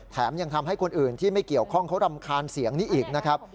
ยังทำให้คนอื่นที่ไม่เกี่ยวข้องเขารำคาญเสียงนี้อีกนะครับ